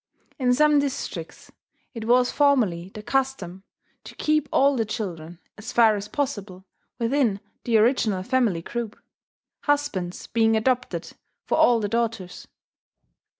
In some districts it was formerly the custom to keep all the children, as far as possible, within the original family group husbands being adopted for all the daughters.